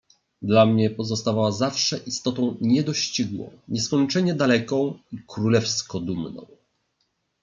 "Dla mnie pozostawała zawsze istotą niedościgłą, nieskończenie daleką, i królewsko dumną."